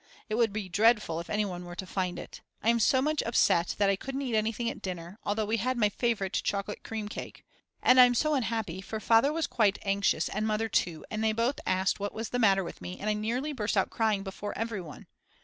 It would be dreadful if anyone were to find it. I am so much upset that I couldn't eat anything at dinner, although we had my favourite chocolate cream cake. And I'm so unhappy for Father was quite anxious and Mother too and they both asked what was the matter with me and I nearly burst out crying before everyone.